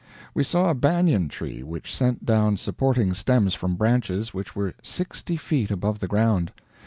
We saw a banyan tree which sent down supporting stems from branches which were sixty feet above the ground.